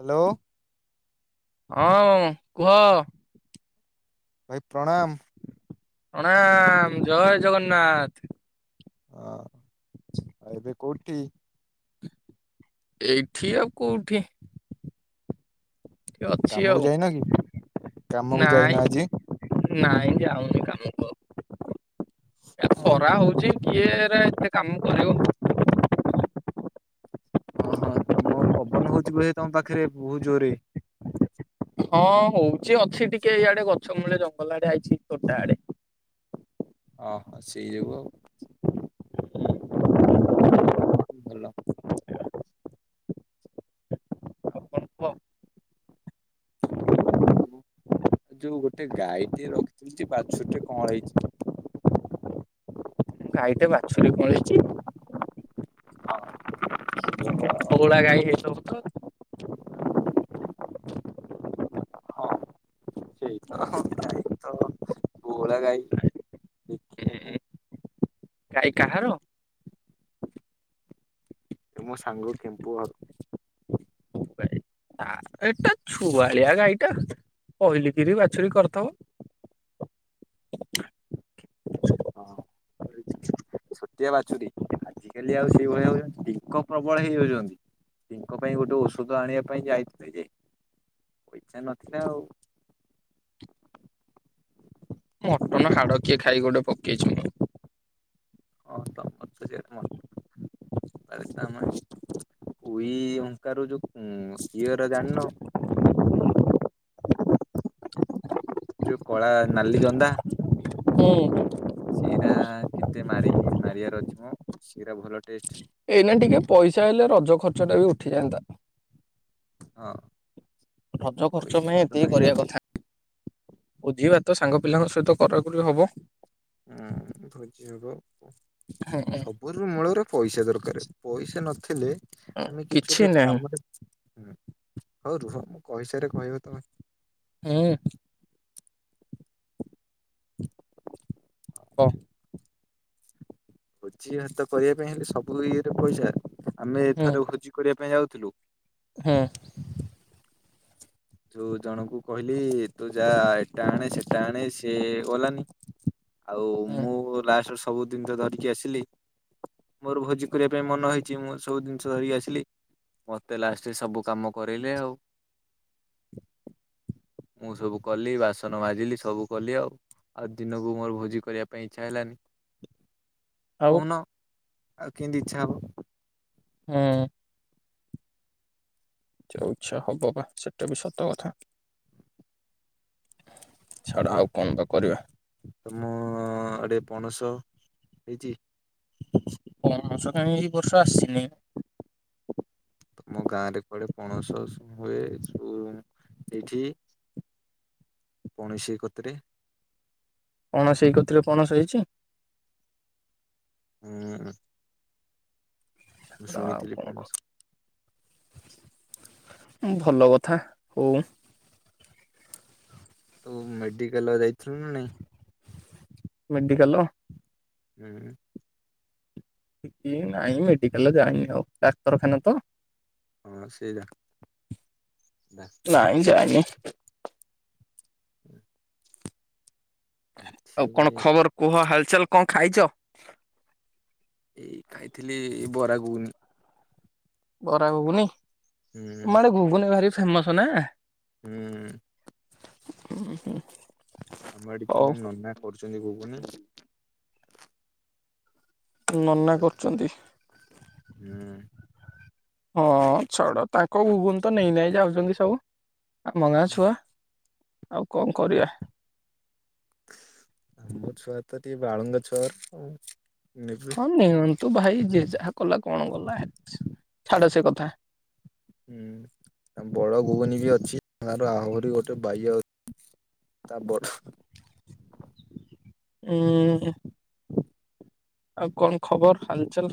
Hello. [unintelligible] କୁହ। ଭାଇ ପ୍ରଣାମ। ପ୍ରଣାମ ଜୟେ ଜଗନ୍ନାଥ। ଅଁ ଆଉ ଏବେ କୋଉଠି? ଏଇଠି ଆଉ କୋଉଠି? [unintelligible] ଅଛି କାମକୁ ଆଉ ଯାଇନ କି? କାମକୁ ଯାଇନ ନାଇଁ ଆଜି? ନାଇଁ ଯାଉନି କାମକୁ ଆଉ। ଏ ଓହୋ ଖରା ହଉଚି କିଏ ଏରା ଏତେ କାମ କରିବ? ଅଁ ହଁ ତମ ପବନ ହଉଚି ବୋଧେ ତମ ପାଖରେ ବହୁତ୍ ଜୋର ରେ? ହଁ ହଉଚି ଅଛି ଟିକେ ଇଆଡେ ଗଛ ମୂଳେ ଜଙ୍ଗଲ ଆଡେ ଆଇଚି ତୋଟା ଆଡେ। ଅ ହଁ ସେଇଯୋଗୁ ଆଉ। ଉଁ ଭଲ ଆଉ କଣ କୁହ ଆଉ ଯୋଉ ଗୋଟେ ଗାଈ ଟେ ରଖିଥିଲି ଯେ ବାଛୁରୀଟେ କଁଳେଇଚି ଗାଈଟେ ବାଛୁରୀ କଁଳେଇଚି! ହଁ। ବୋଉଳା ଗାଈ ହେଇଥବ ତ ଆଉ। ସେଇ ତ ଗାଈ ତ ବୋଉଳା ଗାଈ, ଦେଖିଆକୁ ଗାଈ କାହାର? ଏ ମୋ ସାଙ୍ଗ କେମ୍ପୁ ଘର [inaudible] ଆ ଏଟା ଛୁଆଳିଆ ଗାଈ ଟା। ପହିଲିକିରି ବାଛୁରୀ କରିଥବ। ହଁ କଁଳେଇଚି ପା। ଛୋଟିଆ ବାଛୁରୀ, ଆଜିକାଲି ଆଉ ସେଇଭଳି ଆଉ ଟିଙ୍କ ପ୍ରବଳ ହେଇଯାଉଚନ୍ତି। ଟିଙ୍କ ପାଇଁ ଗୋଟେ ଔଷଧ ଆଣିବା ପାଇଁ ଯାଇଥିଲେ ଯେ, ପଇଚା ନଥିଲା ଆଉ। ମଟନ ହାଡ଼ କିଏ ଖାଇକି ଗୋଟେ ପକେଇଚନ୍ତି? ହଁ ତ ମୋତେ ସେଇଆ ମଟନ୍ [unintelligible] ତା [unintelligible] ଉଇ ହୁଙ୍କାରୁ ଯୋଉ ଉଁ ଇଏର ଜାନ୍ ନ। ଯୋଉ କଳା ନାଲି ଜନ୍ଦା ହୁଁ। ସେଇଟା କେତେ ମାରିକି ମାରିବାର ଅଛି ମ ସେଟା ଭଲ ଟେଷ୍ଟ। ଏଇନା ଟିକେ ପଇସା ହେଲେ ରଜ ଖର୍ଚ୍ଚଟା ବି ଉଠିଯାନ୍ତା। ହଁ। ରଜ ଖର୍ଚ୍ଚ ପଇସା ପାଇଁ ପତ୍ର ଏତିକି ନାହିଁ କରିବା କଥା। ବୋଝି ଭାତ ସାଙ୍ଗ ପିଲାଙ୍କ ସହିତ କରା କଲେ ହବ? ଉଁ ଭୋଜି ହବ! ଆଜ୍ଞା। ସବୁରୁ ମୂଳରେ ପଇସା ଦରକାରେ ପଇସା ନଥିଲେ ଆମେ କିଛି ଗୋଟେ କାମରେ ହୁଁ ହଉ ରୁହ ମୁଁ କହିସାରେ କହିବ ତମେ। ହୁଁ। ହଉ। ହ ଭୋଜି ଭାତ କରିବା ପାଇଁ ହେଲେ ସବୁ ଇଏରେ ପଇସା ଆମେ ଏଥର ଭୋଜି କରିବା ପାଇଁ ଯାଉଥିଲୁ ହଁ। ଯୋଉ ଜଣଙ୍କୁ କହିଲି ତୁ ଯା ଏଟା ଆଣେ ସେଟା ଆଣେ ସେ ଗଲାନି ଆଉ ହୁଁ ମୁଁ ଲାଷ୍ଟରେ ସବୁ ଦିନିଷ ଧରିକି ଆସିଲି ମୋର ଭୋଜି କରିବା ପାଇଁ ମନ ହେଇଛି ମୁଁ ସବୁ ଜିନିଷ ଧରିକି ଆସିଲି ମତେ ଲାଷ୍ଟରେ ସବୁ କାମ କରେଇଲେ ଆଉ ମୁଁ ସବୁ କଲି ବାସନ ମାଜିଲି ସବୁ କଲି ଆଉ ଆଉ ଦିନକୁ ମୋର ଭୋଜି କରିବା ପାଇଁ ଇଚ୍ଛା ହେଲାନି। ଆଉ କହୁନ ଆଉ କେମିତି ଇଚ୍ଛା ହବ? ହୁଁ। ଯୋଉ ଇଛା ହବ ବା ସେଟା ବି ସତ କଥା। ଛାଡ ଆଉ କଣ ବା କରିବା? ତମ ଆଡେ ପଣସ ହେଇଛି? ପଣସ କାଇଁ ଏଇ ବର୍ଷା ଆସିନି। ତମ ଗାଁରେ କୁଆଡେ ପଣସ ସବୁ ହୁଏ [unintelligible] ଏଇଠି ପଣସ ସେଇ କତିରେ କଣ ସେଇ କତିରେ ପଣସ ହେଇଚି? ହୁଁ। ଆଉ ଶୁଣିଥିଲି କଣ ପଣସ କୁହ ଭଲ କଥା ହୋଉ। ଆଉ ମେଡିକାଲ ଆଉ ଯାଇଥିଲୁ ନା ନାଇଁ? ମେଡିକାଲ ଉଁ। ଉଁ ନାଇଁ ମେଡିକାଲ ଯାଇନି ଆଉ ଡାକ୍ତରଖାନା ତ। ହଁ ସେଇରା। ନାଇଁ ଯାାଇନି। ଉଁ। ଆଉ କଣ ଖବର କୁହ ହାଲଚାଲ କଣ ଖାଇଚ? ଏଇ ଖାଇଥିଲି ବରା ଘୁଗୁନି। ବରା ଘୁଗୁନି ହୁଁ ତମ ଆଡେ ଘୁଗୁନି ଭାରି ଫେମସ ନା? ହୁଁ। ଉଁହୁଁ। ଆମ ଏଠି ଜଣେ ନନା କରୁଚନ୍ତି ଘୁଗୁନି ନନା ପୁରା କରଚନ୍ତି? ହୁଁ। ହଁ ଛାଡ ତାଙ୍କ ଘୁଗୁନି ତ ନେଇ ନାଇ ଯାଉଚନ୍ତି ସବୁ। ଆମ ଗାଁ ଛୁଆ ଆଉ କଣ କରିବା। ମୋ ଛୁଆ ତ ଟିକେ ବାଳୁଙ୍ଗା ଛୁଆଉର ଆଉ। ନେବେ ହଁ ନିଅନ୍ତୁ ଭାଇ ଯିଏ ଯାହା କଲା କଣ ଗଲା ଛାଡ ସେ କଥା। ହୁଁ। ଆମ ବଡ ଘୁଗୁନି ବି ଅଛି ତାର ଆହୁରି ଗୋଟେ ବାଇଆ ତା ବଡ ଉଁ ଆଉ କଣ ଖବର ହାଲଚାଲ?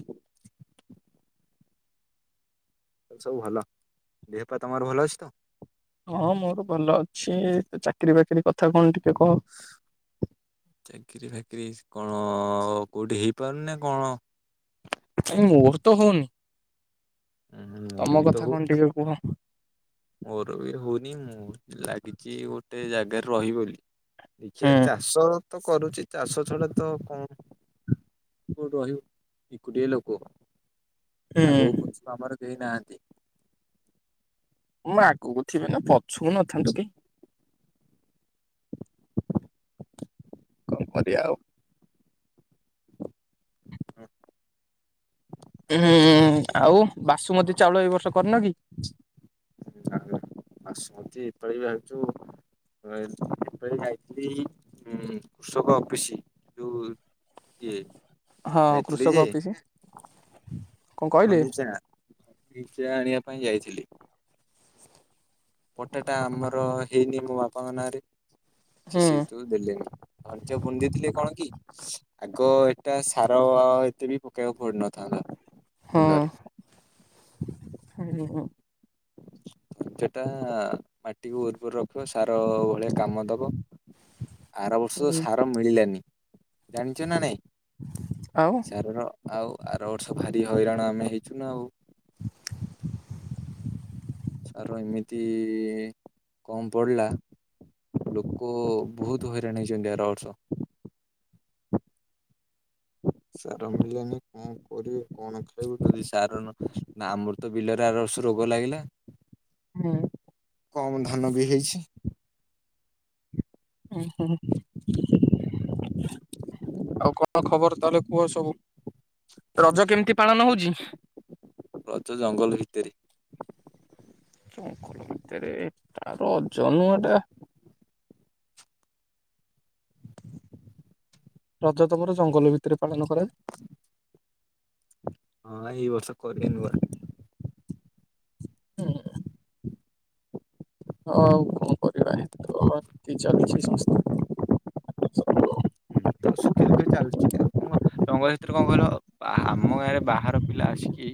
ସବୁ ଭଲ ଦେହପାଆ ତମର ଭଲ ଅଛି ତ? ହଁ ମୋର ଭଲ ଅଛି ଚାକିରି ବାକିରି କଥା କଣ ଟିକେ କହ। ଚାକିରି ଫାକିରି ସ୍ କଣ କୋଉଠି ହେଇପାରୁନି ନା କଣ? ଆଜ୍ଞା ମୋର ତ ହୋଉନି। ଆଁ ମୋର ବି କଥା ତ କଣ ହୋଉନି ଆ ଟିକେ କୁହ ହୁଁ ମୋର ବି ହୋଉନି ମୁଁ ଲାଗିଚି ଗୋଟେ ଜାଗାରେ ରହିବି ବୋଲି ଦେଖିଆ ଚାଷ ତ କରୁଚି ଚାଷ ଛଡା ତ କଣ କୋଉଠି ରହିବ ଏକୁଟିଆ ଲୋକ ହୁଁ ଆଗକୁ ପଛକୁ ଆମର କେହିଁ ନାହାନ୍ତି। ମ ଆଗକୁ ଥିବେ ନା ପଛୁ ନଥାନ୍ତୁ କେହି। କଣ କରିଆ ଆଉ ହଁ। ହୁଁ ଆଉ ବାସୁମତୀ ଚାଉଳ ଏଇ ବର୍ଷ କରନ କି? ନାଁ ନାଁ ବାସୁମତୀ ଏ ପାଳି ଭାବିଚୁ [unintelligible] ଏ ପାଳି ଯାଇଥିଲି ଉଁ କୃଷକ ଅଫିସି ଯୋଉ ଇଏ ହଁ ହଁ ଯାଇଥିଲି କୃଷକ ଅଫିସି ଧନିଚା ଧନିଚା ଆଣିବା ପାଇଁ ଯାଇଥିଲି। ପଟାଟା ଆମର ହେଇନି ମୋ ବାପାଙ୍କ ନାଁରେ ସେ ହୁଁ ସେଇତୁ ଦେଲେନି ଧନିଚା ବୁଣି ଦେଇଥିଲେ କଣ କି ଆଗ ଏଟା ସାର ଆଉ ଏତେ ବି ପକେଇବାକୁ ପଡିନଥାନ୍ତା ବିଲରେ ହୁଁଉଁ। ଧନଚାଟା ମାଟିକୁ ଉର୍ବର ରଖିବ ସାର ଭଳିଆ କାମ ଦବ ଆର ବର୍ଷ ସାର ମିଳିଲାନି ଜାଣିଚ ନା ନାଇଁ? ଆଉ ସାରର ଆଉ ଆର ବର୍ଷ ଭାରି ହଇରାଣ ଆମେ ହେଇଚୁ ନା ଆଉ। ତାର ଏମିତି କମ୍ ପଡିଲା। ଲୋକ ବହୁତ ହଇରାଣ ହେଇଛନ୍ତି ଆର ବର୍ଷ [unintelligible] [unintelligible] ସାର ମିଳୁନି କଣ କରିବି କଣ ଖାଇବୁ ଯଦି ସାର ନା ଆମର ତ ବିଲରେ ଆର ବର୍ଷ ରୋଗ ଲାଗିଲା। ହୁଁ। କମ୍ ଧାନ ବି ହେଇଚି। ଉଁ ହୁଁ। ଆଉ କଣ ଖବର ତାହେଲେ କୁହ ସବୁ ରଜ କେମିତି ପାଳନ ହୋଉଚି? ରଜ ଜଙ୍ଗଲ ଭିତରେ ଜଙ୍ଗଲ ଭିତରେ ଏଟା ରଜ ନୁଅଟା ରଜ ତମର ଜଙ୍ଗଲ ଭିତରେ ପାଳନ କରାଯା ହଁ ଏଇ ବର୍ଷ କରି ନୁଆ ହୁଁ। ହଁ ଆଉ କଣ କରିବା ଏଇତ ଚାଲିଚି ସଂସ୍ଥା ହଁ ତ ସୁଖେ ଦୁଃଖେ ଚାଲିଚି ଆଉ କଣ କ ରଙ୍ଗ ସେତରେ କଣ କହିଲ ଆମ ଗାଁରେ ବାହାର ପିଲା ଆସିକି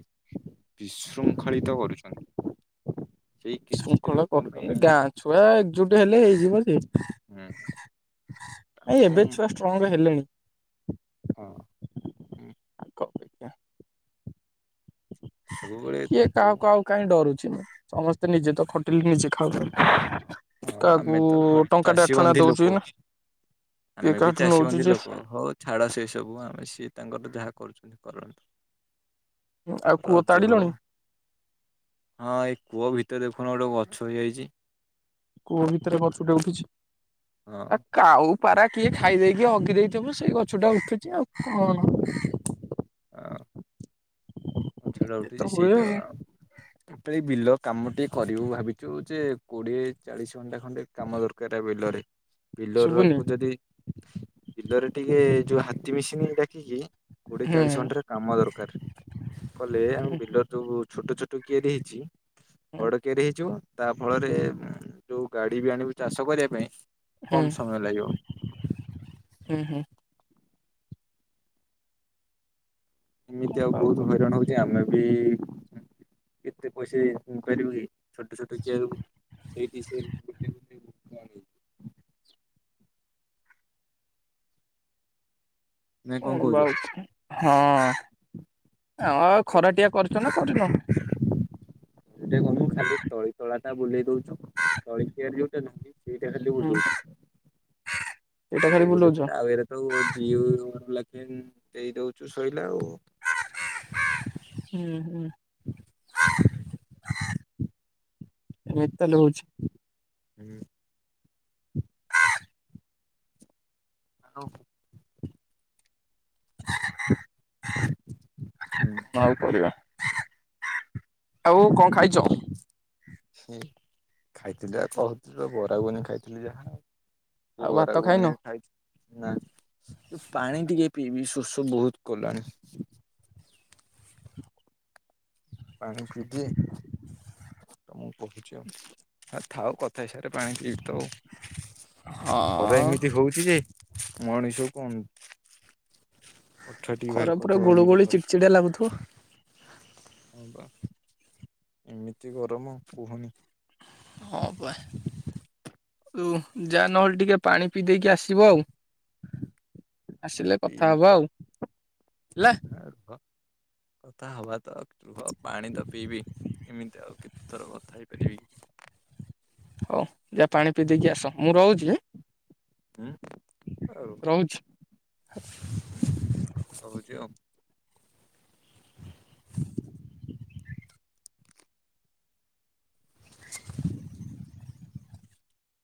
ବିଶୃଙ୍ଖଳିତ କରୁଚନ୍ତି। ଶୃଙ୍ଖଳା ଲୋକଙ୍କ କରୁଚନ୍ତି ପାଇଁ ଗାଁ ଛୁଆ ଏକଜୁଟ ହେଲେ ହେଇଯିବ ଯେ ହୁଁ ତାଙ୍କୁ ଏବେ ଛୁଆ ଷ୍ଟ୍ରଙ୍ଗ ହେଲେଣି। ହଁଁ ହୁଁ। [unintelligible] ସବୁବେଳେ କିଏ ତାଙ୍କୁ କାହାକୁ ଆଉ କାଇଁ ଡରୁଚି ମୁଁ ସମସ୍ତେ ନିଜେ ତ ଖଟିଲି ନିଜେ ଖାଉନୁ ହଁ ଆମେତ ଚାଷୀ ବନ୍ଧୀ ଦଉଛି ଲୋକ କିଏ ଆମେବି କାହାଠୁ ଚାଷୀ ନଉଛୁ ବନ୍ଦୀ ଯେ ଲୋକ ହୋଉ ଛାଡ ସେ ସବୁ ଆମେ ସିଏ ତାଙ୍କର ଯାହା କରୁଛନ୍ତି କରନ୍ତୁ ଆଉ କୂଅ ରଜ ହୋଉ। ତାଡିଲଣି ହଁ ଏଇ କୂଅ ଭିତରେ ଦେଖୁନ ଗୋଟେ ଗଛ ହେଇଯାଇଛି। କୂଅ ଭିତରେ ଗଛଟେ ଉଠିଚି ହଁ। କାଉ ପାରା କିଏ ଖାଇ ଦେଇେକି ହଗି ଦେଇଥିବ ସେଇ ଗଛଟା ଉଠୁଚି ଆଉ କଣ ହଁ,। ଗଛଟା ଏ ତ ଉଠିଚି ହୁଏ ସେଇଟା ଆଉ। ଏଇତ ବିଲ କାମ ଟିକେ କରିବୁ ଭାବିଛୁ ଯେ କୋଡିଏ ଚାଳିଶ ଘଣ୍ଟା ଖଣ୍ଡେ କାମ ଦରକାର ବିଲରେ ବିଲ ଶୁଭୁନି ରୁଆକୁ ଯଦି ବିଲରେ ଟିକେ ଯୋଉ ହାତୀ ମିଶିନି ଡାକିକି କୋଡିଏ ହୁଁ ଚାଳିଶ ଘଣ୍ଟାରେ କାମ ଦରକାର କଲେ ଆମ ବିଲର ଯୋଉ ଛୋଟ ଛୋଟ କିଆରି ହେଇଛି ହୁଁ ବଡ କିଆରି ହେଇଯିବ। ତା ଫଳରେ ଯୋଉ ଗାଡି ବି ଆଣିବୁ ଚାଷ କରିବା ପାଇଁ ହୁଁ କମ୍ ସମୟ ଲାଗିବ। ହୁଁ, ହୁଁ। କଣ ଏମିତି ଆଉ ବା ବହୁତ କରିବି। ହଇରାଣ ହୋଉଚି ଆମେବି ଏତେ ପଇସା ଇଏ ପାରିବୁକି ଛୋଟ ଛୋଟ କିଆରି ସେଇଠି ସେ। [unintelligible] ନା କଣ କହୁଛ ଆଉ ହଁ ହଁ ଆଉ ଖରା ଟିଆ କରିଚୁନା କରିନୁ? ସେଟି ଗଲୁ ଖାଲି ତଳି ତଳା ଟା ବୁଲେଇ ଦୋଉଚୁ ତଳି କିଆରି ଟା ଖାଲି ସେଇଟା ଖାଲି ହୁଁ ବୁଲୋଉଛି ଏଇଟା ଖାଲି ସେଇଟା ବୁଲଉଛ ବୁଲେଇଦେଲେ ଆଉ ଏରା ସବୁ ଦେଇ [unintelligible] ଶୋଇଲା ଆଉ ହୁଁ ହୁଁ। ମିତାହାଲେ ହୋଉଚି ହୁଁ। ଆଉ। ହୁଁ। କ'ଣ ଆଉ କରିବା। ଆଉ କ'ଣ ଖାଇଛ? ଏ ଖାଇଥିଲି ଆଉ କହୁଥିଲି ଆଉ ବରାଗୁଗୁନି ଖାଇଥିଲି ଯାହା। ସେ ଆଉ ଭାତ ଖାଇନ? ବରାଗୁଗୁନି ଖାଇଥିଲି ନା ପାଣିଟିକେ ପିଇବି ସୋସ ତ ବହୁତ୍ କଲାଣି। ପାଣି ପିଇଦିଏ ତମକୁ କହୁଛି ଆଉ। ଥାଉ କଥା ହେଇସାରେ ପାଣି ପିଇବି ତ ଖରା ହଁ ଏମିତି ହଉଛି ଯେ ମଣିଷକୁ କ'ଣ ଅଠାଟିିକେ ବାହାର କରିଦବ ଏମିତି ଖରା। ଢିଆ ଲାଗୁଥିବ? ହଁ ବା ଏମିତି ଗରମ କୁହନି। ହଁ ପା ତୁ ଯା ନହେଲେ ଟିକେ ପାଣି ପିଇଦେଇ କି ଆସିବ ଆଉ। ଆସିଲେ ପିଇବି ତ କଥାହବା ଆଉ ହେଲା। ରୁହ କଥା ହବା ତ ରୁହ ପାଣି ତ ପିଇବି ଏମିତି ଆଉ କେତେ ଥର କଥା ହେଇପାରିବି। ହଉ ଯା ପାଣି ପିଇଦେଇକି ଆସ। ମୁଁ ରହୁଛି। ହୁଁ ଏ ରହୁଛି। ରୁହ। ହୁଁ ରହୁଛି ଆଉ।